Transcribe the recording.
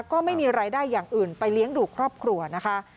ก็ไม่มีรายได้อย่างอื่นไปเลี้ยงดูครอบครัวนะคะ